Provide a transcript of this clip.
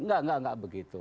tidak tidak begitu